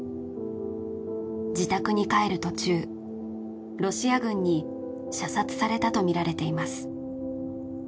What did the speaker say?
自宅に帰る途中ロシア軍に射殺されたとみられています